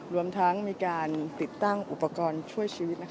รวมทั้งมีการติดตั้งอุปกรณ์ช่วยชีวิต